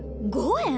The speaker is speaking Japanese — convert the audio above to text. ５円？